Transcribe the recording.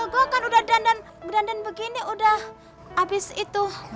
gue kan udah dandan begini udah abis itu